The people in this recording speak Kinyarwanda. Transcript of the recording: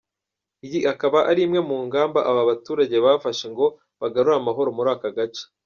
Iyi ikaba ari imwe mu ngamba ababaturage bafashe ngo bagarure amahoro muri aka gace.